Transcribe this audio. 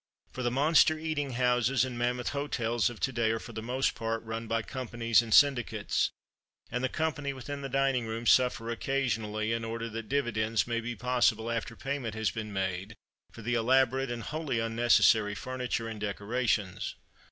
For the monster eating houses and mammoth hotels of to day are for the most part "run" by companies and syndicates; and the company within the dining room suffer occasionally, in order that dividends may be possible after payment has been made for the elaborate, and wholly unnecessary, furniture, and decorations.